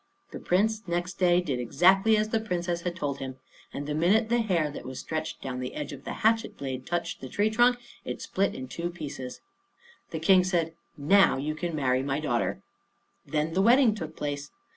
The Prince next day did exactly as the Princess had told him; and the minute the hair that was stretched down the edge of the hatchet blade touched the tree trunk it split into two pieces. The King said, "Now you can marry my daughter." Then the wedding took place.